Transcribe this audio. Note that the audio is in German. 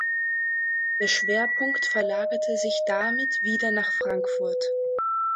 Der Schwerpunkt verlagerte sich damit wieder nach Frankfurt.